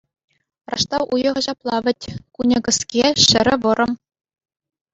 Раштав уйӑхӗ ҫапла вӗт: кунӗ кӗске, ҫӗрӗ вӑрӑм.